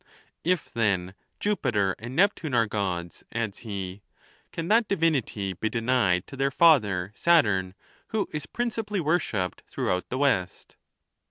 If, then, Jupiter and Neptune are Gods, adds he, can that divinity be denied to their father Saturn, who is principally wor shipped throughout the West?